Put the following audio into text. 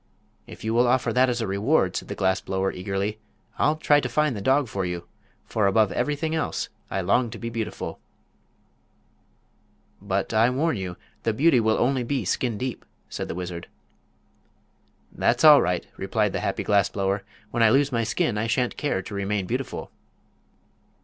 "If you will offer that as a reward," said the glass blower, eagerly, "I'll try to find the dog for you, for above everything else I long to be beautiful." "But I warn you the beauty will only be skin deep," said the wizard. "That's all right," replied the happy glass blower; "when I lose my skin I shan't care to remain beautiful."